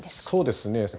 そうですね。